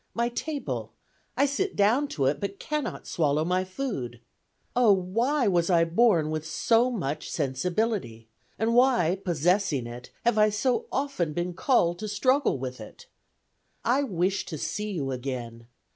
my table, I sit down to it, but cannot swallow my food! Oh, why was I born with so much sensibility, and why, possessing it, have I so often been called to struggle with it? I wish to see you again.